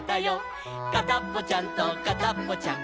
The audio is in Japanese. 「かたっぽちゃんとかたっぽちゃん